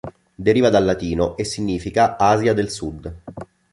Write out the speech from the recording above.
Deriva dal latino e significa "asia del sud".